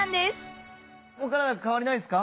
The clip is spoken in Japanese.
お体変わりないっすか？